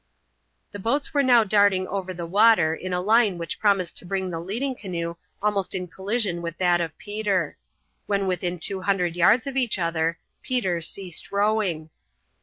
The boats were now darting over the water in a line which promised to bring the leading canoe almost in collision with that of Peter. When within two hundred yards of each other Peter ceased rowing.